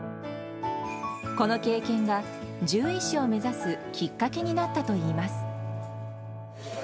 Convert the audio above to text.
この経験が、獣医師を目指すきっかけになったといいます。